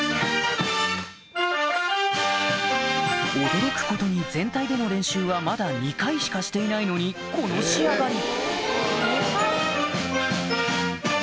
驚くことに全体での練習はまだ２回しかしていないのにこの仕上がり